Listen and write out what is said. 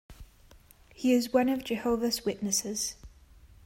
He is one of Jehovah's Witnesses.